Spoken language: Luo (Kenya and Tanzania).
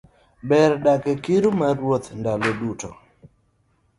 Ber dak e kiru mar Ruoth ndalo duto